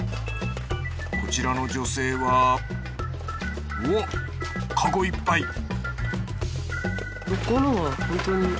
こちらの女性はうわっカゴいっぱい！